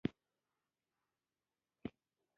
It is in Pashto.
ایا مصنوعي ځیرکتیا د انساني نظارت اړتیا نه زیاتوي؟